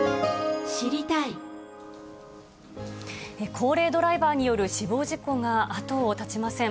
高齢ドライバーによる死亡事故が後を絶ちません。